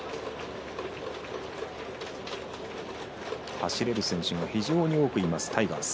走れる選手が非常に多くいますタイガース。